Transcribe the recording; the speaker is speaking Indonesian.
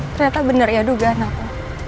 ternyata benar ya dugaan aku